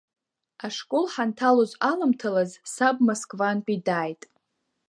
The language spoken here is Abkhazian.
Ашкол ҳанҭалоз аламҭалаз саб Москвантәи дааит.